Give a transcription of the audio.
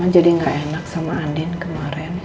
mama jadi gak enak sama andin kemaren